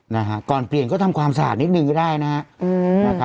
นะฮะก่อนเปลี่ยนก็ทำความสะอาดนิดนึงก็ได้นะครับ